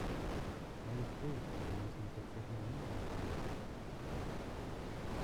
Majestät, wir müssen mit der Zeremonie anfangen.